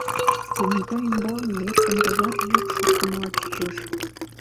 Кенета умбалне эркын товар йӱк шоктымыла чучеш.